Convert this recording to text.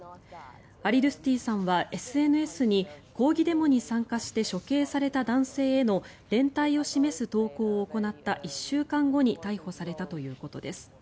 アリドゥスティさんはＳＮＳに抗議デモに参加して処刑された男性への連帯を示す投稿を行った１週間後に逮捕されたということです。